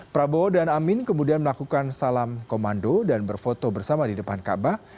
prabowo dan amin kemudian melakukan salam komando dan berfoto bersama di depan kaabah